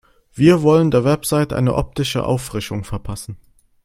Wir wollen der Website eine optische Auffrischung verpassen.